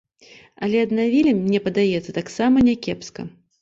Але аднавілі, мне падаецца, таксама някепска.